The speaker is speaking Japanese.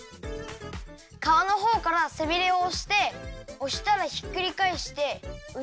かわのほうからせびれをおしておしたらひっくりかえしてうちがわからひっぱるよ。